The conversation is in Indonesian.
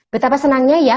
betapa senangnya ya